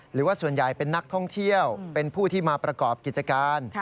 หรือว่าส่วนใหญ่เป็นนักท่องเที่ยวเป็นผู้ที่มาประกอบกิจการ